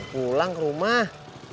pulang ke rumah